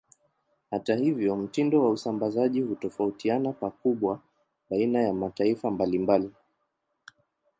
Hata hivyo, mtindo wa usambazaji hutofautiana pakubwa baina ya mataifa mbalimbali.